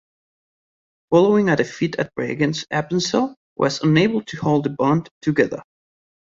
Following a defeat at Bregenz, Appenzell was unable to hold the "Bund" together.